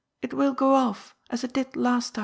It will go off, as it did last time.